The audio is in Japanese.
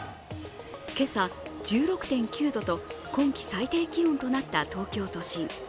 今朝、１６．９度と今季最低気温となった東京都心。